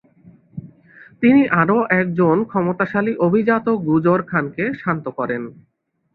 তিনি আরও একজন ক্ষমতাশালী অভিজাত গুজর খানকে শান্ত করেন।